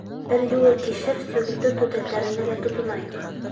Бер юлы кишер, сөгөлдөр түтәлдәренә лә тотонайыҡ.